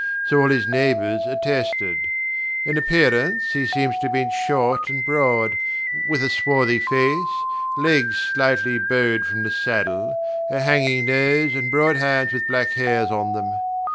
So all his neighbours attested. In appearance he seems to have been short and broad, with a swarthy face, legs slightly bowed from the saddle, a hanging nose and broad hands with black hairs on them.